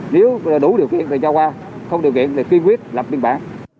nếu đủ điều kiện thì cho qua không điều kiện thì quyên quyết lập biên bản